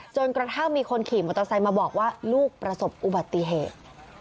จนกระทั่งมีคนขี่มอเตอร์ไซค์มาบอกว่าลูกประสบอุบัติเหตุ